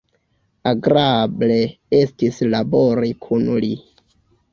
Agrable estis labori kun li.